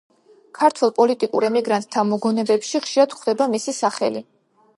ქართველ პოლიტიკურ ემიგრანტთა მოგონებებში ხშირად გვხვდება მისი სახელი.